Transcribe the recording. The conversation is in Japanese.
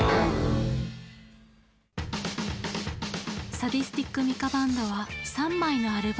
サディスティック・ミカ・バンドは３枚のアルバムを残し